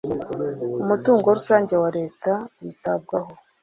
Umutungo rusange wa Leta witabwaho.